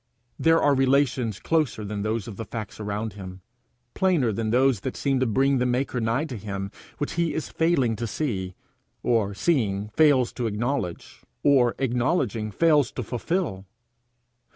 There are relations closer than those of the facts around him, plainer than those that seem to bring the maker nigh to him, which he is failing to see, or seeing fails to acknowledge, or acknowledging fails to fulfil.